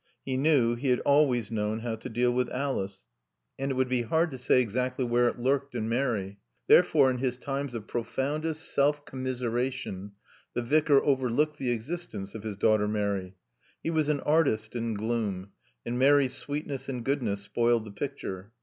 He knew, he had always known, how to deal with Alice. And it would be hard to say exactly where it lurked in Mary. Therefore, in his times of profoundest self commiseration, the Vicar overlooked the existence of his daughter Mary. He was an artist in gloom and Mary's sweetness and goodness spoiled the picture.